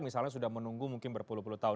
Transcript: misalnya sudah menunggu mungkin berpuluh puluh tahun